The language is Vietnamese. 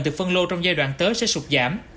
từ phân lô trong giai đoạn tới sẽ sụt giảm